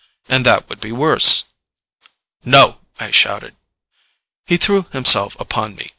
And that would be worse. "No!" I shouted. He threw himself upon me.